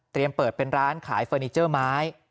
เปิดเป็นร้านขายเฟอร์นิเจอร์ไม้